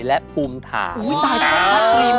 และภูมิฐาน